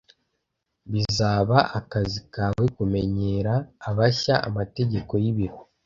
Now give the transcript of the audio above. Bizaba akazi kawe kumenyera abashya amategeko y'ibiro.